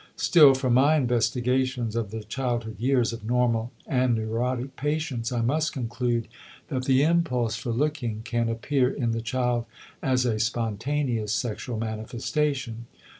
Still, from my investigations of the childhood years of normal and neurotic patients, I must conclude that the impulse for looking can appear in the child as a spontaneous sexual manifestation.